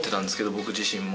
僕自身も。